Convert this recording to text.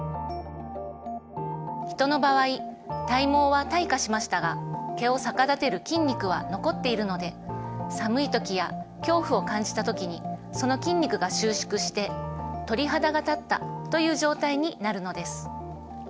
ヒトの場合体毛は退化しましたが毛を逆立てる筋肉は残っているので寒い時や恐怖を感じた時にその筋肉が収縮して鳥肌が立ったという状態になるのです。